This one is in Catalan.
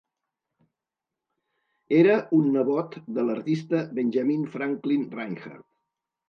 Era un nebot de l"artista Benjamin Franklin Reinhart.